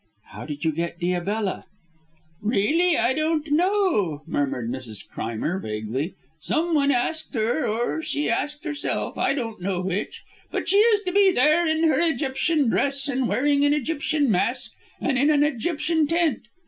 "How did you get Diabella?" "Really, I don't know," murmured Mrs. Crimer vaguely. "Someone asked her, or she asked herself. I don't know which. But she is to be there in her Egyptian dress and wearing an Egyptian mask and in an Egyptian tent.